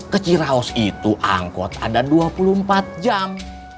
kecirahos itu angkot ada dua puluh empat jam